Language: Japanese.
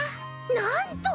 なんと！